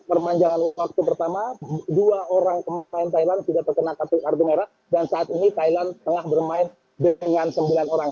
perpanjangan waktu pertama dua orang pemain thailand sudah terkena kartu merah dan saat ini thailand tengah bermain dengan sembilan orang